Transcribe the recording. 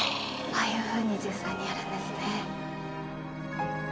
ああいうふうに実際にやるんですね。